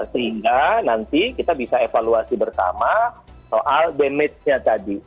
sehingga nanti kita bisa evaluasi bersama soal damage nya tadi